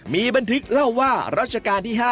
มีบันทึกเล่าว่ารัชกาลที่๕